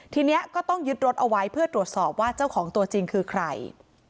ทีนี้ก็ต้องยึดรถเอาไว้เพื่อตรวจสอบว่าเจ้าของตัวจริงคือใคร